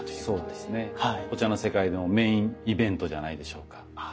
お茶の世界でもメインイベントじゃないでしょうか。